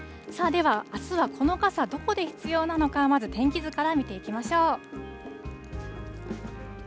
では、あすはこの傘、どこで必要なのか、まず天気図から見ていきましょう。